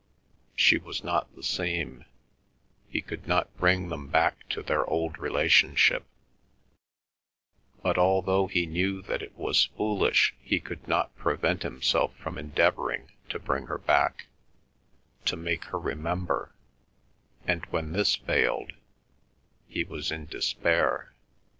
She was not the same; he could not bring them back to their old relationship; but although he knew that it was foolish he could not prevent himself from endeavouring to bring her back, to make her remember, and when this failed he was in despair.